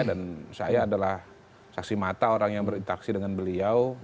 dan saya adalah saksi mata orang yang berinteraksi dengan beliau